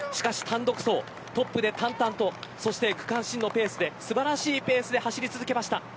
しかし単独走、トップで淡々と区間新のペースで素晴らしいペースで走り続けています。